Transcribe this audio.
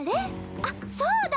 あっそうだ。